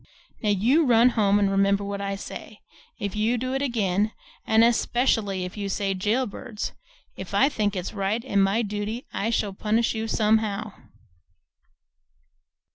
"Now you run home and remember what I say. If you do it again, and especially if you say 'Jail Birds,' if I think it's right and my duty, I shall punish you somehow."